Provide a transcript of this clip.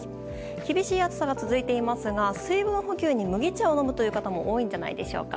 厳しい暑さが続いていますが水分補給に麦茶を飲む方も多いのではないでしょうか。